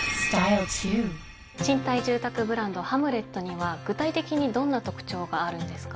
賃貸住宅ブランド「ｈｍｌｅｔ」には具体的にどんな特徴があるんですか？